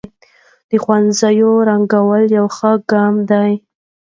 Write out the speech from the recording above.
د ښوونځيو رنګول يو ښه اقدام دی.